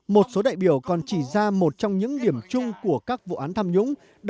một số đại biểu còn chỉ ra một trong những điểm chung của các vụ án tham nhũng